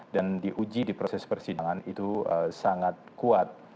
dan diuji di proses persidangan itu sangat kuat